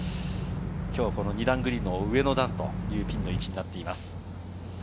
きょう２段グリーンの上の段というピンの位置になっています。